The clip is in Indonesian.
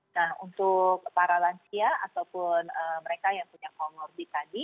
nah untuk para lansia ataupun mereka yang punya comorbid tadi